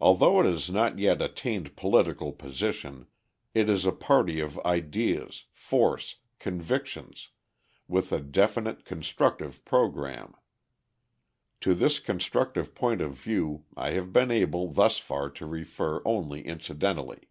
Although it has not yet attained political position, it is a party of ideas, force, convictions, with a definite constructive programme. To this constructive point of view I have been able, thus far, to refer only incidentally.